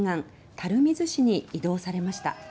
垂水市に移動されました。